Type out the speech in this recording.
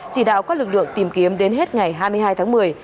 chỉ đạo các lực lượng tìm kiếm đến hết ngày hai mươi hai tháng một mươi